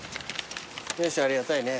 よいしょありがたいね。